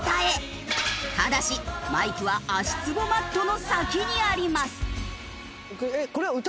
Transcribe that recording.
ただしマイクは足つぼマットの先にあります。